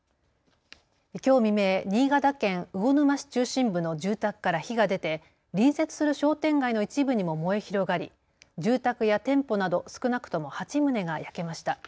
きょう未明、新潟県魚沼市中心部の住宅から火が出て隣接する商店街の一部にも燃え広がり住宅や店舗など少なくとも８棟が焼けました。